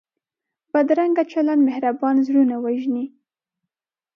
بدرنګه چلند مهربان زړونه وژني